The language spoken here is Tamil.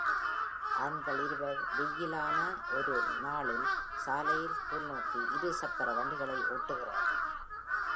ஆண்கள் இருவர், வெய்யிலான ஒரு நாளில், சாலையில் கீழ்நோக்கி இரு சக்கர வண்டிகளை ஓட்டுகிறார்கள்.